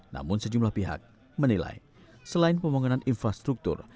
namun sejumlah pihak menilai selain pembangunan infrastruktur